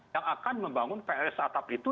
yang akan membangun pln startup itu